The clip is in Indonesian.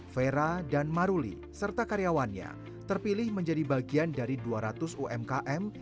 vera dan maruli serta karyawannya terpilih menjadi bagian dari dua ratus umkm